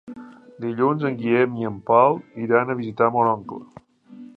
Dilluns en Guillem i en Pol iran a visitar mon oncle.